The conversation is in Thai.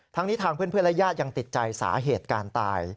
ทั้งนี้ทางเพื่อนและญาติยังติดใจสาเหตุการตาย